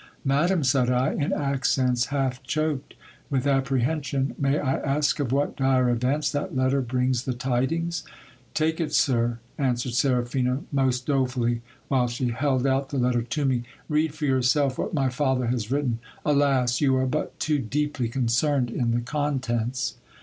Madam, said I, in accents half choked with apprehension, may I ask of what dire events that letter brings the tidings ? Take it, sir, answered Seraphina most dolefully, while she held out the letter to me. Read for yourself what my father has written. Alas ! you are but too deeply concerned in the contents.